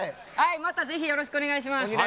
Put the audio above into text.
またぜひよろしくお願いします。